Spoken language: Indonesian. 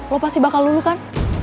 lo pasti bakal dulu kan